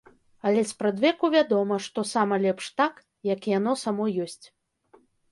Але спрадвеку вядома, што сама лепш так, як яно само ёсць.